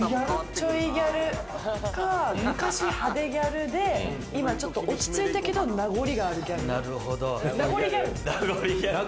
ちょいギャルか、昔、派手ギャルで今ちょっと落ち着いたけど、名残があるギャル、名残ギャル？